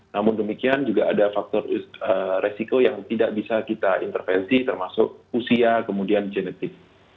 namun demikian juga ada faktor resiko yang tidak bisa kita intervensi termasuk usia kemudian genetik